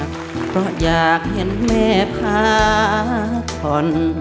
ก็อยากเห็นแม่พาผ่อน